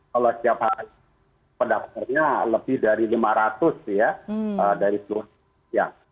kalau setiap hari pendaftarnya lebih dari lima ratus ya dari seluruh indonesia